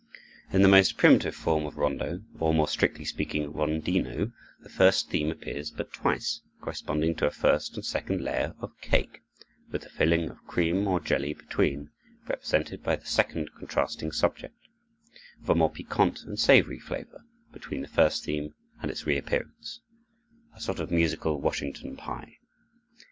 In the most primitive form of rondo, or more strictly speaking, rondino, the first theme appears but twice, corresponding to a first and second layer of cake, with the filling of cream or jelly between, represented by the second contrasting subject, of a more piquant and savory flavor, between the first theme and its reappearance—a sort of musical Washington pie.